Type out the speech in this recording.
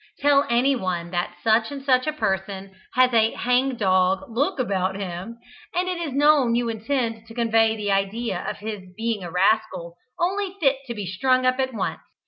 Tell anyone that such and such a person has a "hang dog" look about him, and it is known you intend to convey the idea of his being a rascal only fit to be strung up at once.